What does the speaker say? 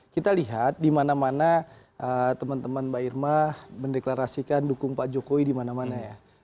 kita lihat di mana mana teman teman mbak irma mendeklarasikan dukung pak jokowi di mana mana ya